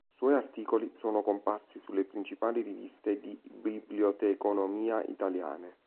Suoi articoli sono comparsi sulle principali riviste di biblioteconomia italiane.